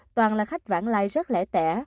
toàn là khách vãn lai rất lẻ tẻ